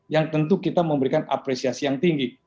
yang tentu kita memberikan apresiasi yang tinggi